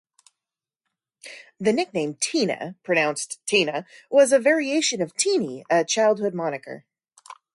The nickname "Tina", pronounced "Teena", was a variation of "Teeny", a childhood moniker.